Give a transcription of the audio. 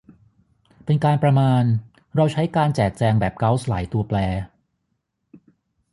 เป็นการประมาณเราใช้การแจกแจงแบบเกาส์หลายตัวแปร